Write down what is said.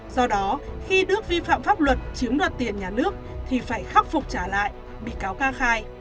do đó khi đức vi phạm pháp luật chiếm đoạt tiền nhà nước thì phải khắc phục trả lại bị cáo ca khai